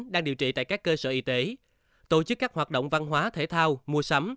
đang điều trị tại các cơ sở y tế tổ chức các hoạt động văn hóa thể thao mua sắm